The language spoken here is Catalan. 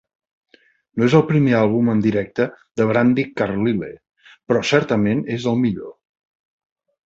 "No és el primer àlbum en directe de Brandi Carlile, però certament és el millor."